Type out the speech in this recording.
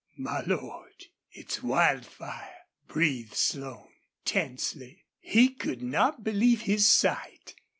"My Lord! ... It's Wildfire!" breathed Slone, tensely. He could not believe his sight.